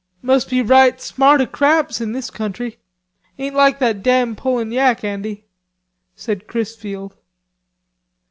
"Must be right smart o'craps in this country.... Ain't like that damn Polignac, Andy?" said Chrisfield.